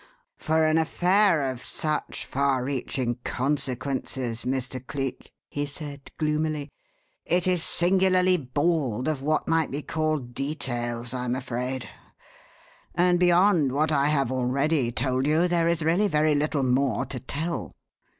"For an affair of such far reaching consequences, Mr. Cleek," he said gloomily, "it is singularly bald of what might be called details, I am afraid; and beyond what I have already told you there is really very little more to tell.